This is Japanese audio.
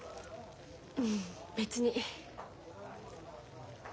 ううん別に。